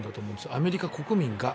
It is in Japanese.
アメリカ国民が。